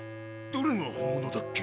どれが本物だっけ？